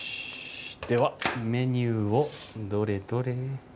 ではメニューをどれどれ？